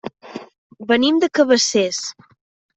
Venim de Cabacés.